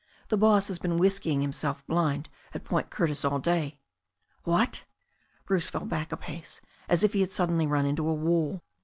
"The boss has been whiskying himself blind at Point Curtis all day." "What!" Bruce fell back a pace, as if he had suddenly run into a wall.